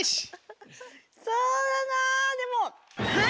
そうだなでもはい！